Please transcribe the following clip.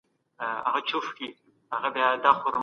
بدلون له ځانه پیل کړئ.